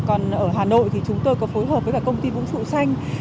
ở hà nội thì chúng tôi có phối hợp với công ty vũ trụ xanh